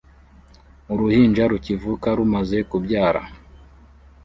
Uruhinja rukivuka rumaze kubyara